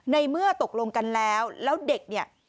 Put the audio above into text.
ในเมื่อตกลงกันแล้วแล้วเด็กเนี่ย